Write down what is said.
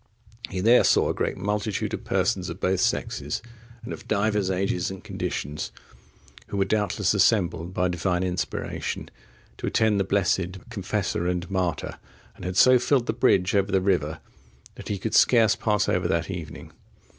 (53) He there saw a great multitude of persons of both sexes, and of divers ages and conditions, who were doubtless assembled by Divine inspiration, to attend the blessed confessor and martyr, and had so filled the bridge over the river, that he could scarce pass over that evening.